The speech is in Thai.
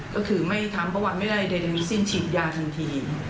ก็คือถามประวัติไม่ได้ดาตามิซินฉีดยาทั้งที